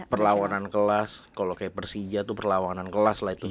perlawanan kelas kalau kayak persija tuh perlawanan kelas lah itu